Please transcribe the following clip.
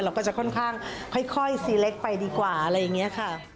เราจะค่อนข้างค่อยเซไลค์ไปดีกว่าอะไรอย่างเงี้ยค่ะ